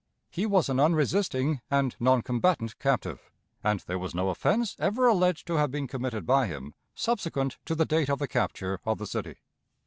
He was an unresisting and noncombatant captive, and there was no offense ever alleged to have been committed by him subsequent to the date of the capture of the city.